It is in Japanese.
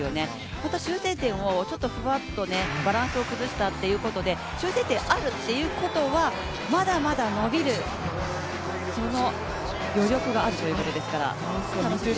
また修正点をちょっとふわっとバランスを崩したということは、修正点があるということはまだまだ伸びる、その余力があるということですから、楽しみですね。